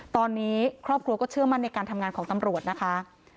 ตอนนี้ครอบครัวก็เชื่อมั่นในการทำงานของตำรวจนะคะ